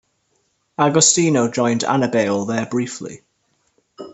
Agostino joined Annibale there briefly.